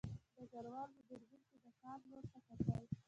ډګروال په دوربین کې د کان لور ته کتل